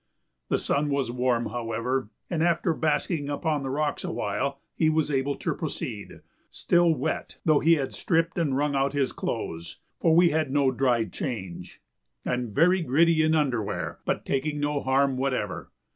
The sun was warm, however, and after basking upon the rocks awhile he was able to proceed, still wet, though he had stripped and wrung out his clothes for we had no dry change and very gritty in underwear, but taking no harm whatever.